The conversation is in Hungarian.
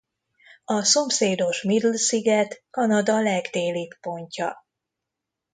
A szomszédos Middle sziget Kanada legdélibb pontja.